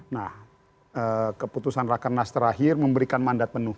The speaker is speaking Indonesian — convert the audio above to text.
nah keputusan rakan nas terakhir memberikan mandat penuh